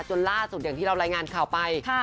จนล่าสุดอย่างที่เรารายงานข่าวไป